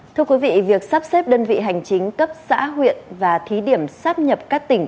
thưa quý vị việc sắp xếp đơn vị hành chính cấp xã huyện và thí điểm sắp nhập các tỉnh